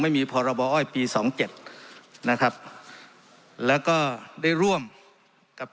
พรบอ้อยปีสองเจ็ดนะครับแล้วก็ได้ร่วมกับ